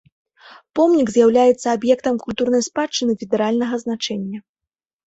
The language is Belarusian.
Помнік з'яўляецца аб'ектам культурнай спадчыны федэральнага значэння.